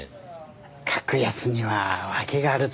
格安には訳があるというか。